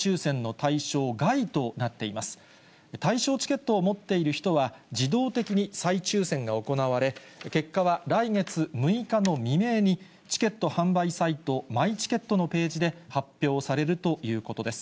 対象チケットを持っている人は、自動的に再抽せんが行われ、結果は来月６日の未明に、チケット販売サイト、マイチケットのページで発表されるということです。